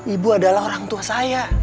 ibu adalah orang tua saya